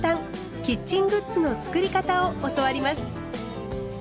キッチングッズの作り方を教わります。